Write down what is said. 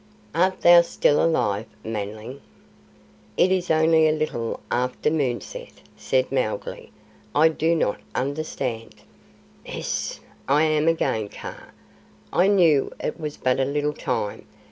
Art THOU still alive, Manling?" "It is only a little after moonset," said Mowgli. "I do not understand " "Hssh! I am again Kaa. I knew it was but a little time.